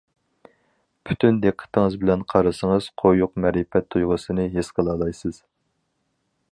پۈتۈن دىققىتىڭىز بىلەن قارىسىڭىز، قويۇق مەرىپەت تۇيغۇسىنى ھېس قىلالايسىز.